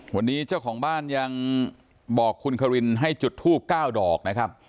วันนี้เจ้าของบ้านยังบอกคุณครินให้จุดทูบ๙ดอกนะครับ